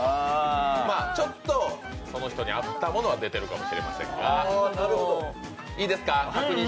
その人に合ったものが出てるかもしれませんが。